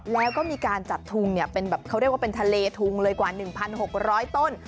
แล้วก็มีการจัดทุงเป็นแบบเขาเรียกว่าเป็นทะเลทุงเลยกว่า๑๖๐๐ต้น